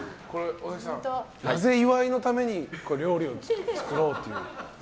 尾崎さん、なぜ岩井のために料理を作ろうという。